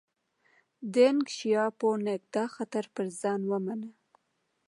دینګ شیاپونګ دا خطر پر ځان ومانه.